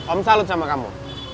om salut sama kamu